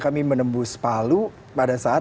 kami menembus palu pada saat